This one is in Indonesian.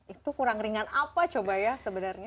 itu kurang ringan apa coba ya sebenarnya